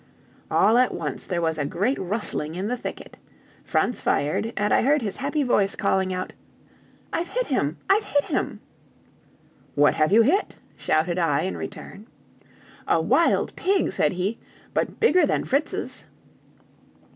All at once there was a great rustling in the thicket, Franz fired, and I heard his happy voice calling out: "I've hit him! I've hit him!" "What have you hit?" shouted I in return. "A wild pig," said he; "but bigger than Fritz's."